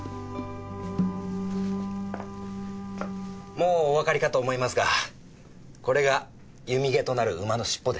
もうおわかりかと思いますがこれが弓毛となる馬の尻尾です。